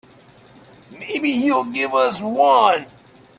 Maybe he'll give us one.